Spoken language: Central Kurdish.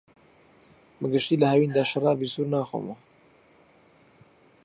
بەگشتی لە هاویندا شەرابی سوور ناخۆمەوە.